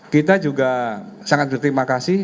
kita juga sangat berterima kasih